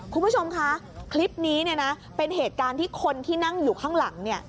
คุณผู้ชมค่ะคลิปนี้เป็นเหตุการณ์ที่คนที่นั่งอยู่ข้างหลัง